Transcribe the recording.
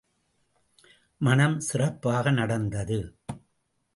மணம் சிறப்பாக நடந்தது.